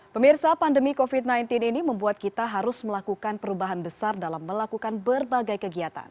pemirsa pandemi covid sembilan belas ini membuat kita harus melakukan perubahan besar dalam melakukan berbagai kegiatan